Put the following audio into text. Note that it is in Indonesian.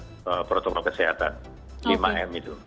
untuk protokol kesehatan lima m itu